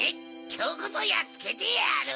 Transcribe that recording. きょうこそやっつけてやる！